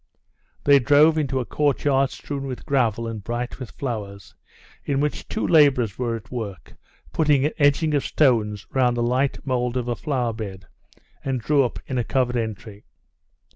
They drove into a courtyard strewn with gravel and bright with flowers, in which two laborers were at work putting an edging of stones round the light mould of a flower bed, and drew up in a covered entry.